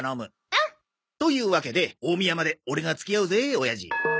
うん。というわけで大宮までオレが付き合うぜおやじ。